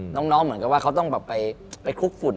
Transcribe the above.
น้องเหมือนกับว่าเขาต้องแบบไปคุกฝุ่น